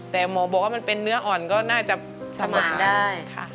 แต่หมอบอกว่ามันเป็นเนื้ออ่อนก็น่าจะสมาสารค่ะสมัครได้